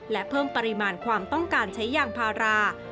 และเพิ่มปริมาณความต้องการใช้ยางพารา